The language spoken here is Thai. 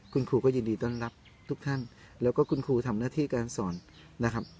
คุณครูก็ยินดีต้อนรับทุกท่านแล้วก็คุณครูทำหน้าที่การสอนนะครับ